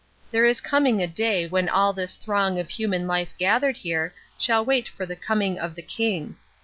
There is coming a day when all this throng of human life gathered here shall wait for the coming of the King.